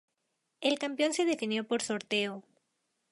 El campeón se definió por sorteo.